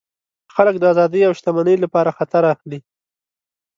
خلک د آزادۍ او شتمنۍ لپاره خطر اخلي.